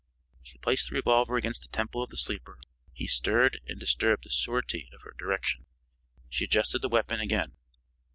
_" She placed the revolver against the temple of the sleeper; he stirred and disturbed the surety of her direction. She adjusted the weapon again.